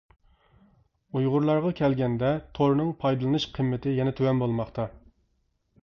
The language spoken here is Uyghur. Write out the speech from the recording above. ئۇيغۇرلارغا كەلگەندە تورنىڭ پايدىلىنىش قىممىتى يەنە تۆۋەن بولماقتا.